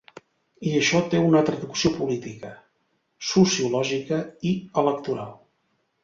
I això té una traducció política, sociològica i electoral.